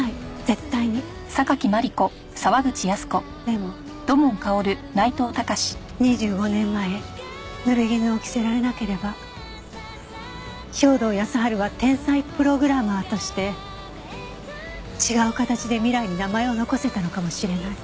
でも２５年前濡れ衣を着せられなければ兵働耕春は天才プログラマーとして違う形で未来に名前を残せたのかもしれない。